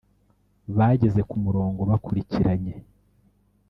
bageze ku murongo bakurikiranye